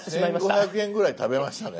１，５００円ぐらい食べましたね。